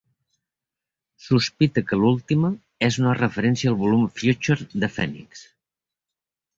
Sospita que l'última és una referència al volum "Future" de "Phoenix".